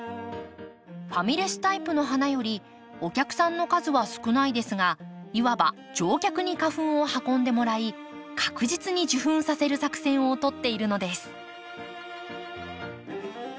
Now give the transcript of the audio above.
ファミレスタイプの花よりお客さんの数は少ないですがいわば常客に花粉を運んでもらい確実に受粉させる作戦を取っているのです。